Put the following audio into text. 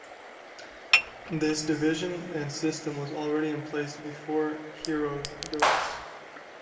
This division and system was already in place before Herodotus.